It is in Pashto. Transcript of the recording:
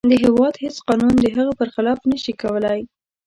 د هیواد هیڅ قانون د هغه پر خلاف نشي کولی.